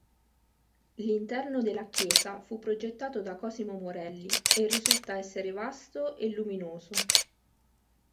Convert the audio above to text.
L'interno della chiesa fu progettato da Cosimo Morelli e risulta essere vasto e luminoso.